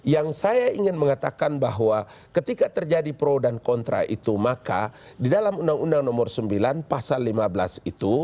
yang saya ingin mengatakan bahwa ketika terjadi pro dan kontra itu maka di dalam undang undang nomor sembilan pasal lima belas itu